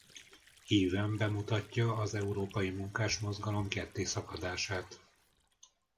Híven bemutatja az európai munkásmozgalom kettészakadását.